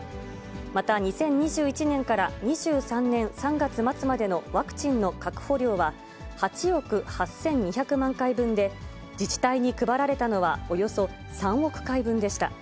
また２０２１年から２３年３月末までのワクチンの確保量は８億８２００万回分で、自治体に配られたのはおよそ３億回分でした。